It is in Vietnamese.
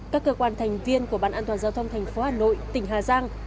các cơ quan thành viên của ban an toàn giao thông thành phố hà nội tỉnh hà giang